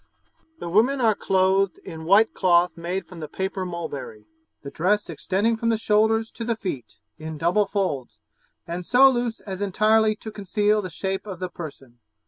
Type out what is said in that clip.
The women are clothed in white cloth made from the paper mulberry, the dress extending from the shoulders to the feet, in double folds, and so loose as entirely to conceal the shape of the person.